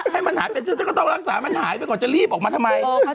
ให้มันหายไปต้องรักษามันหายกว่าจะรีบออกมาทำไม